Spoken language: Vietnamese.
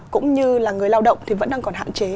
cũng như là người lao động thì vẫn đang còn hạ